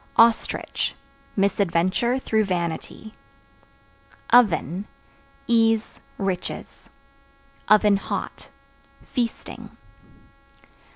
Ostrich Misadventure through vanity. Oven Ease, riches; (hot) feasting.